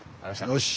よし！